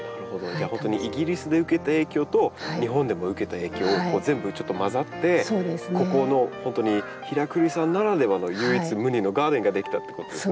じゃあ本当にイギリスで受けた影響と日本でも受けた影響全部ちょっと混ざってここの本当に平栗さんならではの唯一無二のガーデンが出来たってことですね。